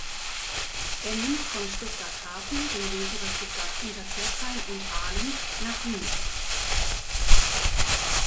Er nimmt von Stuttgart Hafen den Weg über Stuttgart-Untertürkheim und Aalen nach Giengen.